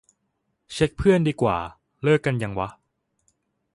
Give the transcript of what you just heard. เช็คเพื่อนดีกว่า เลิกกันยังวะ